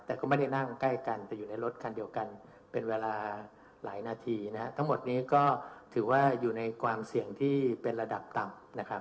แต่ก็ไม่ได้นั่งใกล้กันแต่อยู่ในรถคันเดียวกันเป็นเวลาหลายนาทีนะฮะทั้งหมดนี้ก็ถือว่าอยู่ในความเสี่ยงที่เป็นระดับต่ำนะครับ